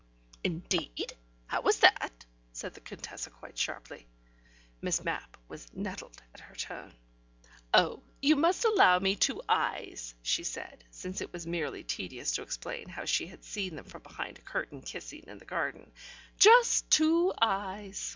"Indeed! how was that?" said the Contessa quite sharply. Miss Mapp was "nettled" at her tone. "Oh, you must allow me two eyes," she said, since it was merely tedious to explain how she had seen them from behind a curtain kissing in the garden. "Just two eyes."